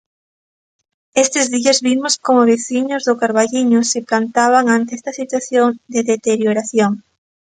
Estes días vimos como veciños do Carballiño se plantaban ante esta situación de deterioración.